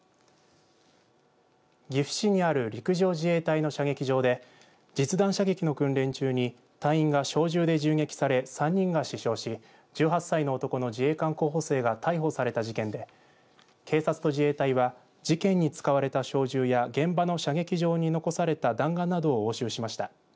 岐阜市にある陸上自衛隊の射撃場で実弾射撃の訓練中に隊員が小銃で銃撃され３人が死傷し１８歳の男の自衛官候補生が逮捕された事件で警察と自衛隊は事件に使われた小銃や現場の射撃場に残された弾丸などを押収しました。